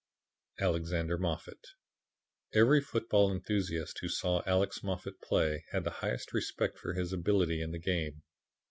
Alexander Moffat Every football enthusiast who saw Alex Moffat play had the highest respect for his ability in the game.